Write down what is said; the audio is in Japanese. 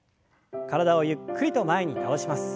体をゆっくりと前に倒します。